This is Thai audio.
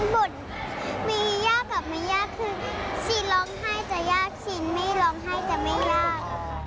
บทมียากกับมียากคือซีนร้องไห้จะยากซีไม่ร้องไห้จะไม่ยาก